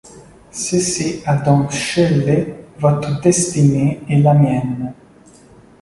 Ceci a donc scellé votre destinée et la mienne.